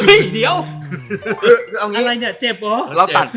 เว้ยเดี๋ยวอะไรนะเจ็บเหรอ